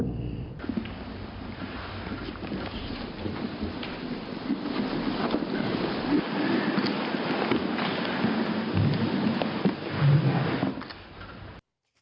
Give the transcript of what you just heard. และโอกาสนี้พระเจ้าอยู่หัว